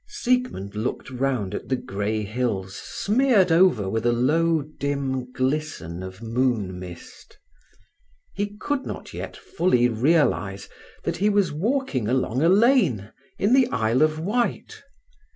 Siegmund looked round at the grey hills smeared over with a low, dim glisten of moon mist. He could not yet fully realize that he was walking along a lane in the Isle of Wight.